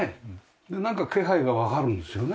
なんか気配がわかるんですよね。